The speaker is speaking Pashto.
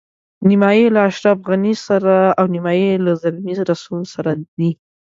نیمایي یې له اشرف غني سره او نیمایي له زلمي رسول سره دي.